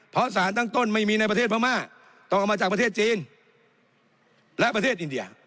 เพราะสารตั้งต้นไม่มีในประเทศพม่าต้องเอามาจากประเทศจีนและประเทศอินเดีย